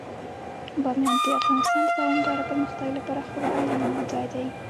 بامیان د افغانستان د دوامداره پرمختګ لپاره خورا اړین ځای دی.